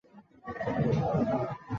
中国大陆至今无公开国葬规定。